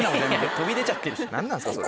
飛び出ちゃってるし何なんですかそれ。